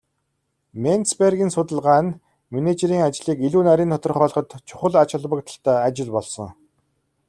Менцбергийн судалгаа нь менежерийн ажлыг илүү нарийн тодорхойлоход чухал ач холбогдолтой ажил болсон.